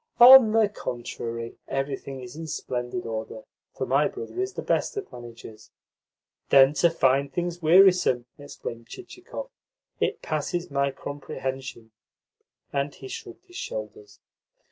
"On the contrary, everything is in splendid order, for my brother is the best of managers." "Then to find things wearisome!" exclaimed Chichikov. "It passes my comprehension." And he shrugged his shoulders.